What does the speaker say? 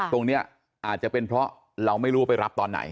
ตรงนี้อาจจะเป็นเพราะเราไม่รู้ว่าไปรับตอนไหน